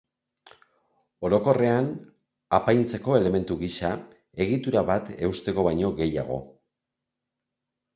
Orokorrean, apaintzeko elementu gisa, egitura bat eusteko baino gehiago.